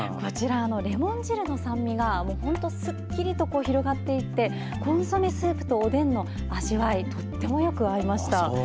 レモン汁の酸味が本当にすっきりと広がっていってコンソメスープとおでんの味わいとてもよく合いました。